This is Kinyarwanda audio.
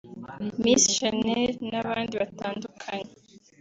Miss Shanel n’abandi batandukanye